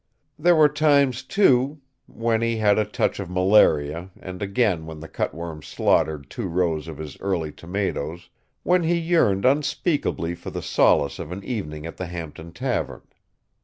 Where were times, too when he had a touch of malaria and again when the cutworms slaughtered two rows of his early tomatoes when he yearned unspeakably for the solace of an evening at the Hampton tavern.